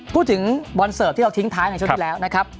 บอลเสิร์ฟที่เราทิ้งท้ายในช่วงที่แล้วนะครับ